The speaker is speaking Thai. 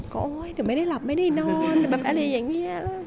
ก็โอ๊ยเดี๋ยวไม่ได้หลับไม่ได้นอนแบบอะไรอย่างนี้